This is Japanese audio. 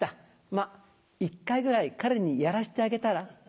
まぁ１回ぐらい彼にやらしてあげたら？